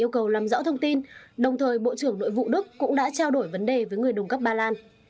làm rõ thông tin đồng thời bộ trưởng nội vụ đức cũng đã trao đổi vấn đề với người đồng cấp ba lan